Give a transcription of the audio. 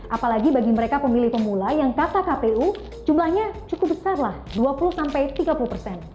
apalagi bagi mereka pemilih pemula yang kata kpu jumlahnya cukup besar lah dua puluh sampai tiga puluh persen